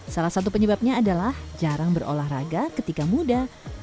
salah satu penyebabnya adalah jarang berolahraga ketika muda